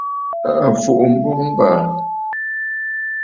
À fùʼu mboŋ ɨ̀bàà!